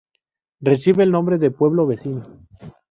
Recibe el nombre de un pueblo vecino.